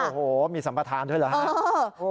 โอ้โหมีสัมประทานด้วยหรือ